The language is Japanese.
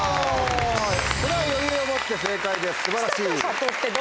これは余裕を持って正解です素晴らしい。